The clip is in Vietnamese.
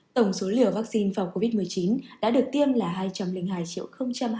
tổng số liều vaccine phòng covid một mươi chín đã được tiêm là hai trăm linh hai hai mươi chín ba trăm ba mươi một liều